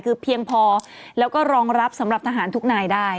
คือเพียงพอแล้วก็รองรับสำหรับทหารทุกนายได้